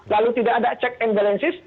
lalu tidak ada check and balances